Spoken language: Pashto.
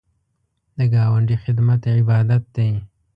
د ګاونډي خدمت عبادت دی